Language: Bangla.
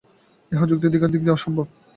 ইহা যুক্তির দিক দিয়া অসম্ভব।